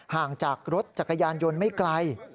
ห่างจากรถจักรยานยนต์ไม่ไกล